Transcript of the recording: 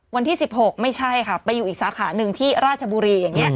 วันที่๑๖ไม่ใช่ค่ะไปอยู่อีกสาขาหนึ่งที่ราชบุรีอย่างนี้